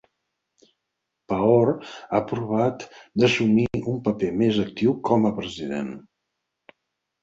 Pahor ha provat d'assumir un paper més actiu com a president.